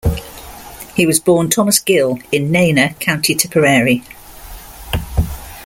He was born Thomas Gill in Nenagh, County Tipperary.